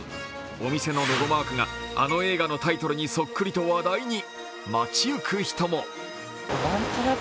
お店のロゴマークがあの映画のタイトルにそっくりと話題に。